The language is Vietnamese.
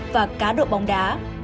và cá độ bóng đá